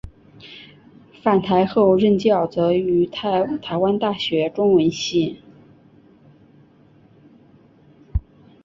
返台后任教则于台湾大学中文系。